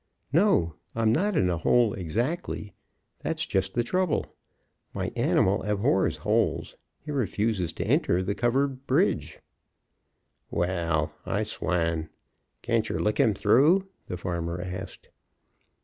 "No, I'm not in a hole exactly that's just the trouble. My animal abhors holes; he refuses to enter the covered bridge." "Wall, I swan! can't yer lick him through?" the farmer asked.